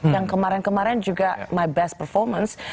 yang kemarin kemarin juga my best performance